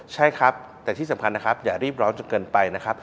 ใช่ครับแต่ที่สำคัญนะครับ